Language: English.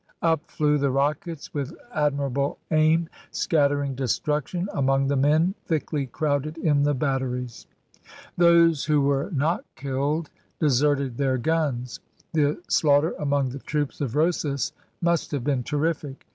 Up flew the rockets with admirable aim, scattering destruction among the men thickly crowded in the batteries. Those who were not killed deserted their guns. The slaughter among the troops of Rosas must have been terrific.